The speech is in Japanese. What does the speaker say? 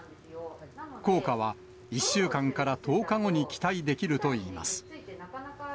効果は、１週間から１０日後に期待できるといいます。